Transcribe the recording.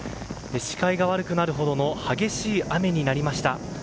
視界が悪くなるほどの激しい雨になりました。